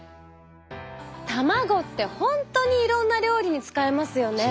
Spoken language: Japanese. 卵って本当にいろんな料理に使えますよね。